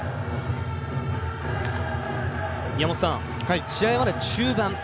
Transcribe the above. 宮本さん試合はまだ中盤です。